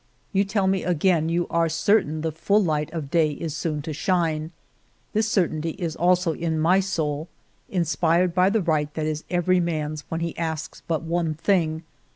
You tell me again you are certain the full light of day is soon to shine; this certainty is also in my soul, inspired by the right that is every man's when he asks but one thing